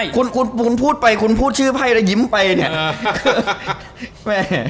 คุณคุณพูดไปคุณพูดชื่อไพ่แล้วยิ้มไปเนี่ย